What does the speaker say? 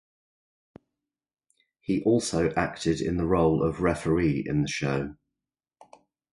He also acted in the role of "Referee" in the show.